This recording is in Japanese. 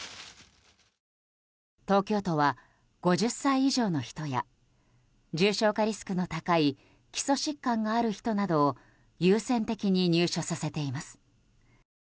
東京都は５０歳以上の人や重症化リスクの高い基礎疾患がある人などを優先的に入所させています。